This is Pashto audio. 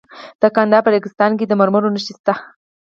د کندهار په ریګستان کې د مرمرو نښې شته.